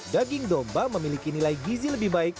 daging domba memiliki nilai gizi lebih baik